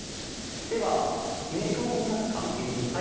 では牛肉を見ますか。